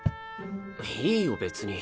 いいよ別に。